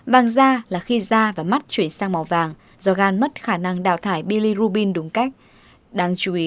vang da là khi da và mắt chuyển sang màu vàng do gan mất khả năng đào thải bilirubin đúng cách